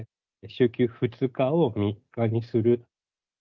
週休２日を３日にする。